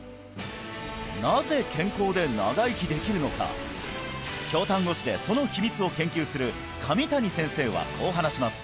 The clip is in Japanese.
なぜ健康で長生きできるのか京丹後市でその秘密を研究する神谷先生はこう話します